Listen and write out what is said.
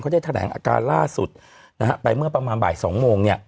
เขาได้แถลงอาการล่าสุดไปเมื่อประมาณบ่าย๒โมง